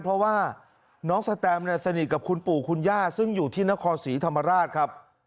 เพราะว่าน้องสแตมเนี่ยสนิทกับคุณปู่คุณย่าซึ่งอยู่ที่นครศรีธรรมราชครับ